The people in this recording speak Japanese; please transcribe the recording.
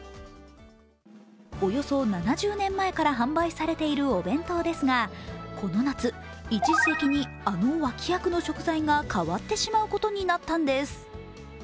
およそ７０年前から販売されているお弁当ですがこの夏、一時的にあの脇役の食材が変わってしまうことになったんです。